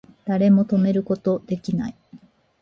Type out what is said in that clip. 誰も止めること出来ない